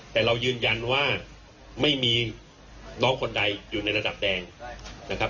แต่เรายืนยันว่าไม่มีน้องคนใดอยู่ในระดับแดงนะครับ